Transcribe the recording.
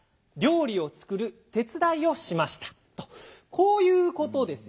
こういうことですよね？